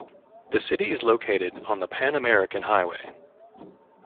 The city is located on the Pan-American Highway.